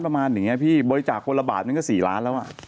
บริจาคคนละบาทนั้นก็คือซี่ล้าน